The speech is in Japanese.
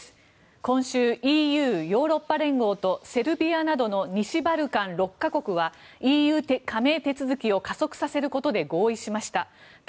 今週、ＥＵ・ヨーロッパ連合とセルビアなどの西バルカン６か国はＥＵ加盟手続きを加速させることで合意しました。